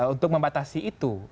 untuk membatasi itu